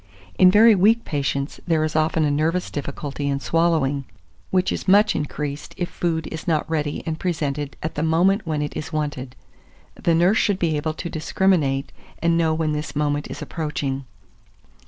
In very weak patients there is often a nervous difficulty in swallowing, which is much increased if food is not ready and presented at the moment when it is wanted: the nurse should be able to discriminate, and know when this moment is approaching."